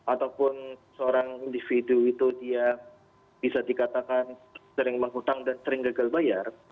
ataupun seorang individu itu dia bisa dikatakan sering menghutang dan sering gagal bayar